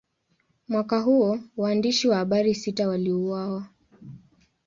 Mwaka huo, waandishi wa habari sita waliuawa.